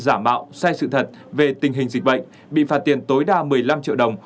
giả mạo sai sự thật về tình hình dịch bệnh bị phạt tiền tối đa một mươi năm triệu đồng